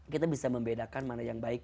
kita bisa membedakan mana yang baik